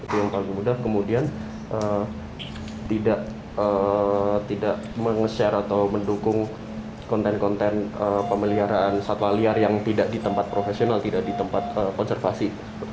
yang paling mudah kemudian tidak menge share atau mendukung konten konten pemeliharaan satwa liar yang tidak di tempat profesional tidak di tempat konservasi